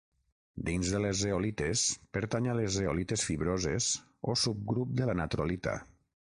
Dins de les zeolites pertany a les zeolites fibroses, o subgrup de la natrolita.